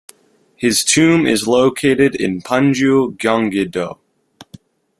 His tomb is located in Paju, Gyeonggi-do.